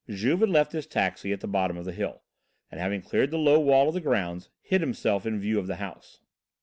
Juve had left his taxi at the bottom of the hill, and, having cleared the low wall of the grounds, hid himself in view of the house.